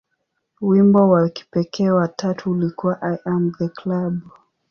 Wimbo wa kipekee wa tatu ulikuwa "I Am The Club".